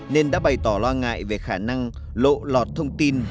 nên đã bày tỏ lo ngại về khả năng lộ lọt thông tin